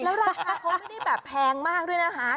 แล้วราคาเขาไม่ได้แบบแพงมากด้วยนะคะ